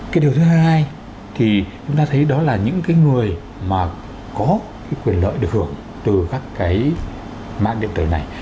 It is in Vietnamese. cái điều thứ hai thì chúng ta thấy đó là những cái người mà có cái quyền lợi được hưởng từ các cái mạng điện tử này